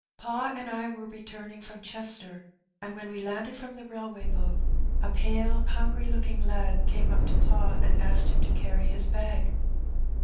Pa and I were returning irom Chester, and when we landed from the railway boat, a pale hungry looking lad came up to pa and asked him to carry his bag.